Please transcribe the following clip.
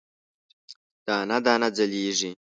دانه، دانه ځلیږې